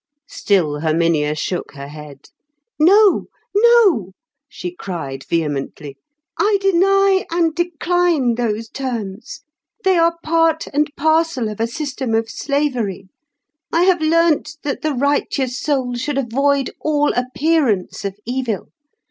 Still Herminia shook her head. "No, no," she cried vehemently. "I deny and decline those terms; they are part and parcel of a system of slavery. I have learnt that the righteous soul should avoid all appearance of evil.